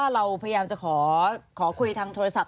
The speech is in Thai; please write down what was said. เราพยายามจะขอคุยทางโทรศัพท์